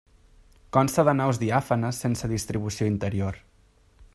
Consta de naus diàfanes sense distribució interior.